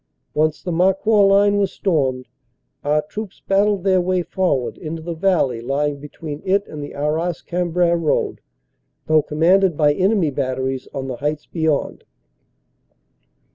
Once the Marcoing line was stormed, our troops battled their way forward into the valley lying between it and the Arras Cambrai road, though commanded by enemy batteries on the heights beyond.